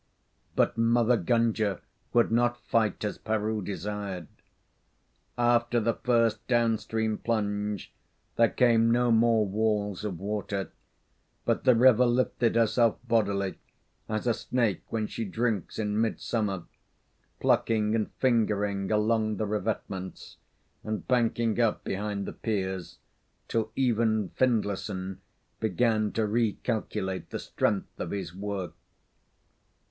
But Mother Gunga would not fight as Peroo desired. After the first down stream plunge there came no more walls of water, but the river lifted herself bodily, as a snake when she drinks in midsummer, plucking and fingering along the revetments, and banking up behind the piers till even Findlayson began to recalculate the strength of his work.